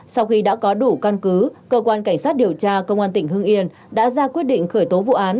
sau khi đã có đủ căn cứ cơ quan cảnh sát điều tra công an tỉnh hưng yên đã ra quyết định khởi tố vụ án